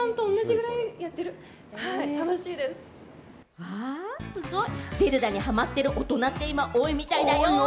うわ、すごい、『ゼルダ』にハマっている大人って結構多いみたいだよ。